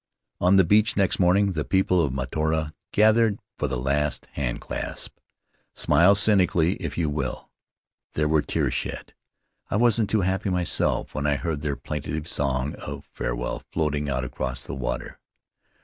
"On the beach next morning the people of Mataora gathered for a last handclasp; smile cynically if you will — there were tears shed; I wasn't too happy myself when I heard their plaintive song of farewell floating out across the water."